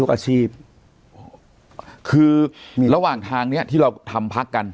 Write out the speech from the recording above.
อาชีพคือระหว่างทางเนี้ยที่เราทำพักกัน